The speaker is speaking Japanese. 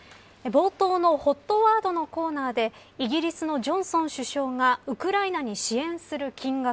冒頭のＨＯＴワードのコーナーでイギリスのジョンソン首相がウクライナに支援する金額